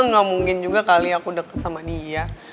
ga mungkin juga kali aku deket sama dia